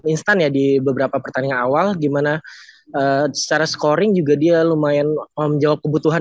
instan ya di beberapa pertandingan awal gimana secara scoring juga dia lumayan menjawab kebutuhan